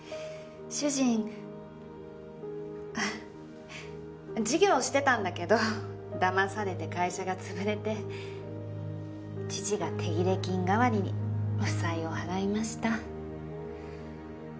主人事業してたんだけど騙されて会社が潰れて父が手切れ金代わりに負債を払いました。